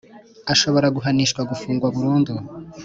ashobora guhanishwa gufungwa burundu